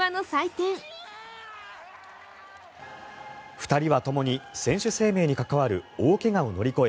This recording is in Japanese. ２人はともに選手生命に関わる大怪我を乗り越え